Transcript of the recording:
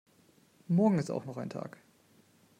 Morgen ist auch noch ein Tag.